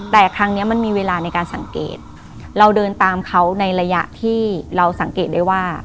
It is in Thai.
แต่ครั้งนี้มันมีเวลาในการสังเกตเราเดินตามเขาในระยะที่เราสังเกตได้ว่า